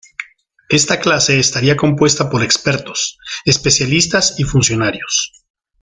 Esta clase estaría compuesta por expertos, especialistas y funcionarios.